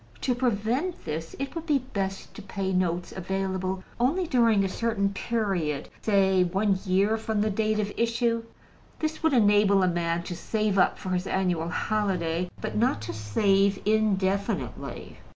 To prevent this, it would be best to pay notes available only during a certain period, say one year from the date of issue. This would enable a man to save up for his annual holiday, but not to save indefinitely.